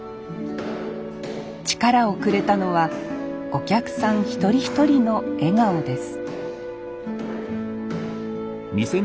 力をくれたのはお客さん一人一人の笑顔です